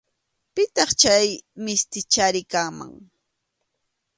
Pitaq chay mistichari kanman.